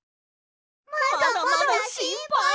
まだまだしんぱい！